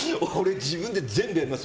自分で全部やります。